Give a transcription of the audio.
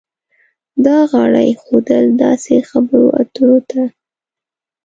دا غاړه ایښودل داسې خبرو اترو ته ده.